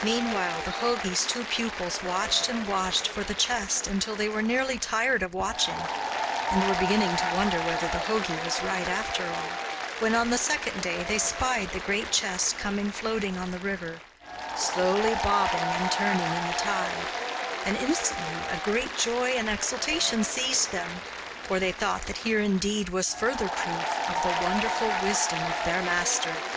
Meanwhile the jogi's two pupils watched and watched for the chest until they were nearly tired of watching, and were beginning to wonder whether the jogi was right after all, when on the second day they spied the great chest coming floating on the river, slowly bobbing and turning in the tide; and instantly a great joy and exultation seized them, for they thought that here indeed was further proof of the wonderful wisdom of their master.